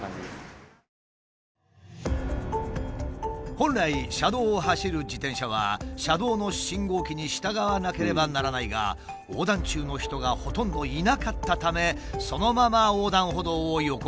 本来車道を走る自転車は車道の信号機に従わなければならないが横断中の人がほとんどいなかったためそのまま横断歩道を横切ったという。